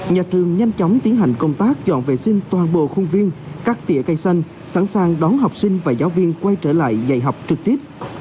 nhà trường nhanh chóng tiến hành công tác dọn vệ sinh toàn bộ khuôn viên các tỉa cây xanh sẵn sàng đón học sinh và giáo viên quay trở lại dạy học trực tiếp